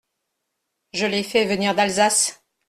Je les fais venir d’Alsace.